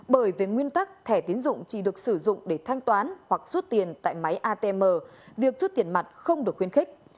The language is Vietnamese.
bởi vì nguyên tắc thẻ tín dụng chỉ được sử dụng để thanh toán hoặc rút tiền tại máy atm việc rút tiền mặt không được khuyên khích